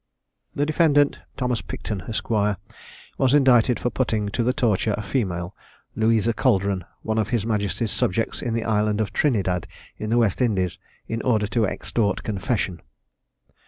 The defendant, Thomas Picton, Esq. was indicted for putting to the torture a female, Louisa Calderon, one of his majesty's subjects in the island of Trinidad in the West Indies, in order to extort confession.